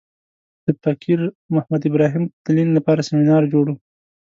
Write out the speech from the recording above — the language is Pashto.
د فقیر محمد ابراهیم تلین لپاره سمینار جوړ و.